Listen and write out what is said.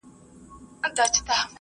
هغه زده کوونکی چې زیار باسي پوهیږي.